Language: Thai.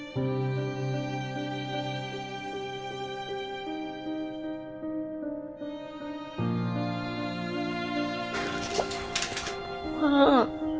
พ่อหนูรักพ่อนะ